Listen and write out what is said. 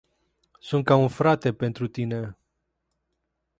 Sunt ca un frate pentru tine.